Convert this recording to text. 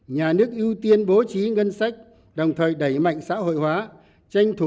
nhà nước ưu tiên bố trí ngân sách đồng thời đẩy mạnh xã hội hóa